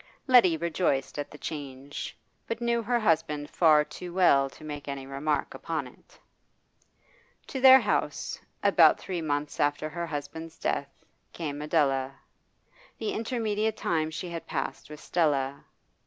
Letty rejoiced at the change, but knew her husband far too well to make any remark upon it. To their house, about three months after her husband's death, came Adela. The intermediate time she had passed with Stella.